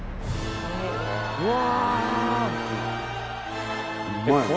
うわ。